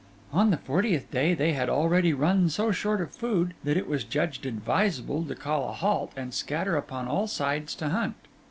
On the fortieth day they had already run so short of food that it was judged advisable to call a halt and scatter upon all sides to hunt.